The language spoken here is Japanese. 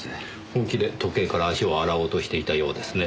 本気で時計から足を洗おうとしていたようですね。